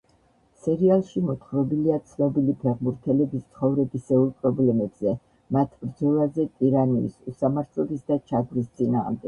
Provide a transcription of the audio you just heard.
სერიალში მოთხრობილია ცნობილი ფეხბურთელების ცხოვრებისეულ პრობლემებზე, მათ ბრძოლაზე ტირანიის, უსამართლობის და ჩაგვრის წინააღმდეგ.